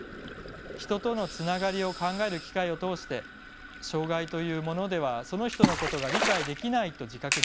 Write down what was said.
人とのつながりを考える機会を通して障がいというものではその人のことが理解できないと自覚できる。